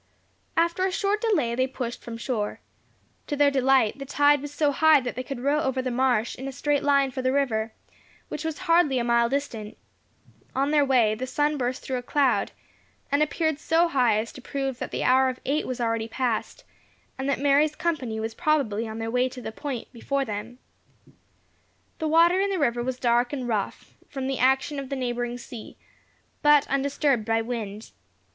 After a short delay they pushed from shore. To their delight, the tide was so high that they could row over the marsh in a straight line for the river, which was hardly a mile distant. On their way the sun burst through a cloud, and appeared so high as to prove that the hour of eight was already passed, and that Mary's company was probably on their way to the point before them. The water in the river was dark and rough, from the action of the neighbouring sea, but undisturbed by wind.